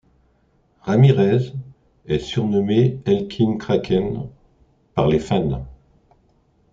Ramirez est surnommé Elkin Kraken par les fans.